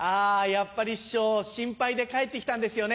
やっぱり師匠心配で帰ってきたんですよね。